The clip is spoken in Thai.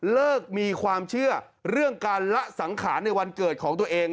เรื่องการละสังขาญในวันเกิดของตัวเอง